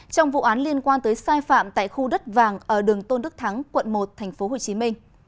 trong vụ án liên quan tới sai phạm tại khu đất vàng ở đường tôn đức thắng quận một tp hcm